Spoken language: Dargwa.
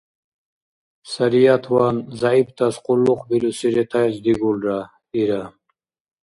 — Сариятван зягӀиптас къуллукъбируси ретаэс дигулра, — ира.